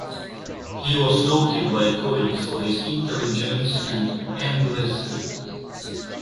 He was noted by colleagues for his intelligence and endless wit.